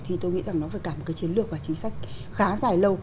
thì tôi nghĩ rằng nó phải cả một cái chiến lược và chính sách khá dài lâu